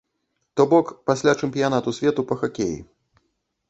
То бок, пасля чэмпіянату свету па хакеі.